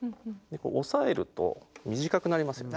押さえると短くなりますよね。